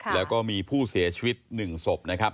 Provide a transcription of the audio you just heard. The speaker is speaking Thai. แล้วก็มีผู้เสียชีวิต๑ศพนะครับ